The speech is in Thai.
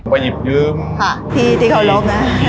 ไปหยิบยืมพี่ที่เคารพนะ